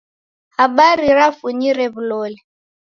Habari rafunyire w'uloli.